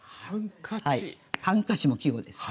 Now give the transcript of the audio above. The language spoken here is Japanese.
「ハンカチ」も季語です。